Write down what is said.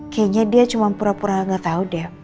kayaknya dia cuma pura pura gak tau deh